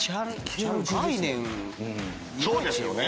そうですよね。